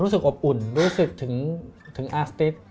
รู้สึกอบอุ่นรู้สึกถึงอาร์สติฟ